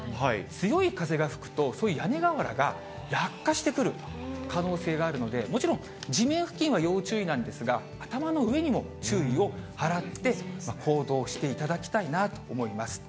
強い風が吹くと、すごい、屋根瓦が落下してくる可能性があるのでもちろん、地面付近は要注意なんですが、頭の上にも注意を払って行動していただきたいなと思います。